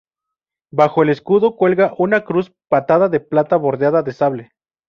Bajo el escudo cuelga una cruz patada de plata bordeada de sable.